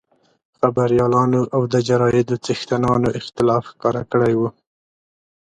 خبریالانو او د جرایدو څښتنانو اختلاف ښکاره کړی وو.